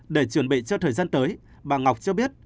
để chuẩn bị cho thời gian tới bà ngọc cho biết